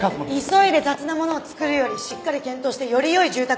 急いで雑なものを作るよりしっかり検討してより良い住宅を。